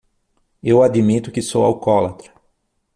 Eu admito que sou alcoólatra.